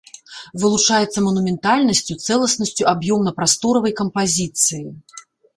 Вылучаецца манументальнасцю, цэласнасцю аб'ёмна-прасторавай кампазіцыі.